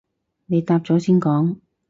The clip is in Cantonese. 你答咗先講